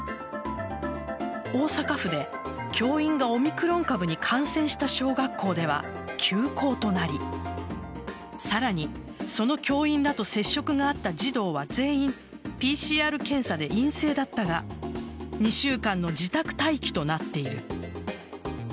大阪府で教員がオミクロン株に感染した小学校では休校となりさらに、その教員らと接触があった児童は全員ＰＣＲ検査で陰性だったが２週間の自宅待機となっている。